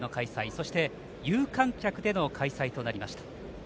そして、有観客での開催となりました。